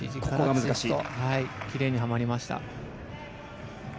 きれいにはまりました。